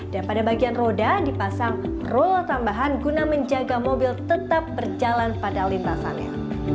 dan pada bagian roda dipasang rola tambahan guna menjaga mobil tetap berjalan pada lintasannya